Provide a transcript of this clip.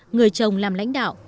người chồng làm lãnh đạo